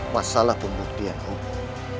masalah pembuktian umum